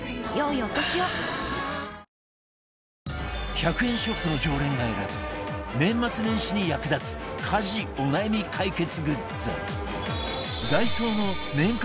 １００円ショップの常連が選ぶ年末年始に役立つ家事お悩み解決グッズダイソーの年間